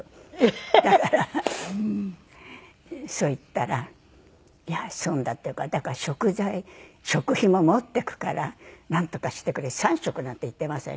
だからそう言ったら「いや損だ」って言うからだから食材食費も持ってくからなんとかしてくれ３食なんて言ってません。